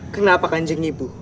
kenapa kan jeng ibu